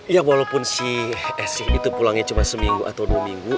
ya walaupun si esi itu pulangnya cuma seminggu atau dua minggu